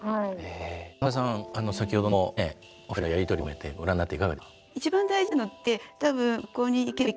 田中さん先ほどのねお二人のやり取りも含めてご覧になっていかがですか？